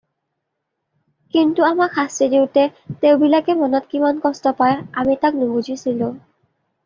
কিন্তু আমাক শাস্তি দিওতে তেওঁবিলাকে মনত কিমান কষ্ট পায় আমি তাক নুবুজিছিলোঁ।